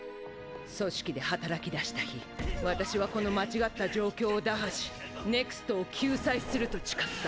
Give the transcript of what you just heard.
組織で働きだした日私はこの間違った状況を打破しＮＥＸＴを救済すると誓った。